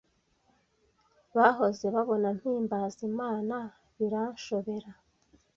bahoze babona mpimbaza Imana biranshobera